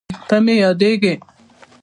ته مې یادېږې